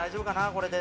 これで。